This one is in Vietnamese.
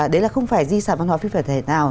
đấy là không phải di sản văn hóa phi vật thể nào